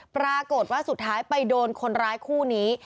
ปรากฏว่าสุดท้ายไปโดนคนร้ายคู่นี้